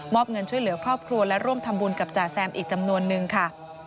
เงินช่วยเหลือครอบครัวและร่วมทำบุญกับจ่าแซมอีกจำนวนนึงค่ะ